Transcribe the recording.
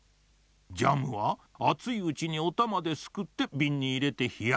ジャムはあついうちにおたまですくってびんにいれてひやす。